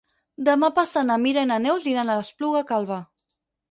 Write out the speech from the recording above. Demà passat na Mira i na Neus iran a l'Espluga Calba.